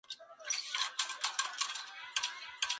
Lo que no se dan cuenta es que la coincidencia es aún mayor.